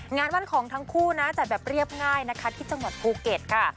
งานมั่นของทั้งคู่นะจัดแบบเรียบง่ายนะคะที่จังหวัดภูเก็ตค่ะ